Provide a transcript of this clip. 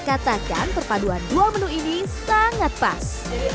katakan perpaduan dua menu ini sangat pas